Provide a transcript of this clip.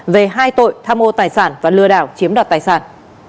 về hai tội tham mô tài sản và lừa đảo chiếm đoạt tài sản